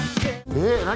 えっ何？